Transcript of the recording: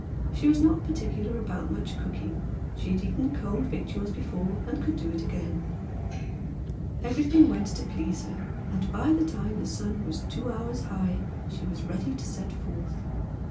She was not particular about much cooking. She had eaten cold victuals before, and could do it again. Everything went to please her, and by the time the sun was two hours high she was ready to set forth.